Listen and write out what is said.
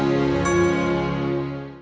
aku akan melakukannya